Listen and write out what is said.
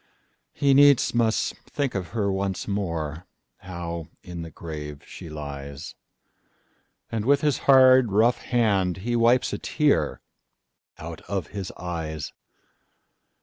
He needs must think of her once more, How in the grave she lies; And with his hard, rough hand he wipesA tear out of his eyes.